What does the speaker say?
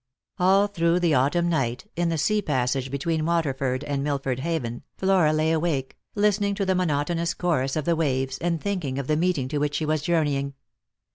All through the autumn night — in the sea passage between Waterford and Milford Haven — Flora lay awake, listening to the monotonous chorus of the waves, and thinking of the meet ing to which she was journeying.